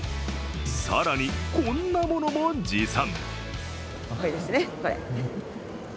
更に、こんなものも持参。